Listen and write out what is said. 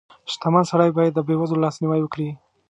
• شتمن سړی باید د بېوزلو لاسنیوی وکړي.